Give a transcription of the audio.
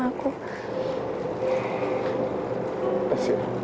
aku akan terus jaga kamu